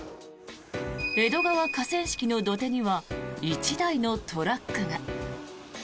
江戸川河川敷の土手には１台のトラックが。